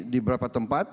di beberapa tempat